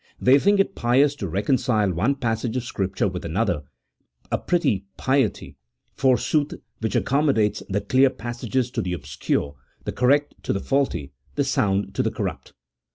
They think it pious to reconcile one passage of Scripture with another — a pretty piety, for sooth, which accommodates the clear passages to the obscure, the correct to the faulty, the sound to the corrupt.